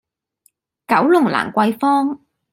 九龍蘭桂坊